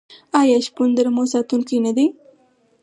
آیا شپون د رمو ساتونکی نه دی؟